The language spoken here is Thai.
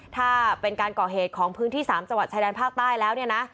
ถ้าเป็นการก่อเหตุของพื้นที่๓จังหวัดชายแดนภาคใต้แล้วเนี่ยนะ